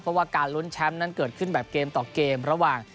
เพราะว่าการลุ้นแชมป์นั้นเกิดขึ้นแบบเกมต่อเกมระหว่าง